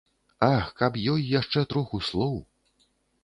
Ах, каб ёй яшчэ троху слоў.